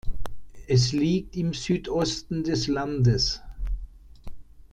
Es liegt im Südosten des Landes.